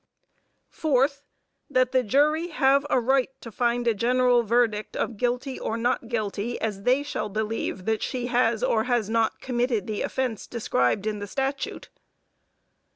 Fourth That the jury have a right to find a general verdict of guilty or not guilty as they shall believe that she has or has not committed the offense described in the Statute.